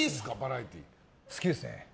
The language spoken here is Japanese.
好きですね。